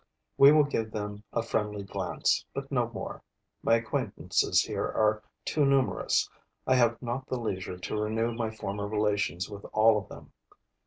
We will give them a friendly glance, but no more. My acquaintances here are too numerous; I have not the leisure to renew my former relations with all of them.